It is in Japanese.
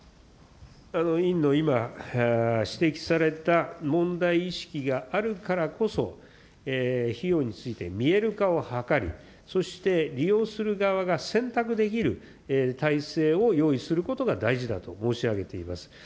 委員の今、指摘された問題意識があるからこそ、費用について見える化を図り、そして利用する側が選択できる体制を用意することが大事だと申し上げています。